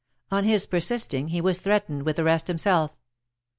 On his persisting, he was threatened with arrest himself.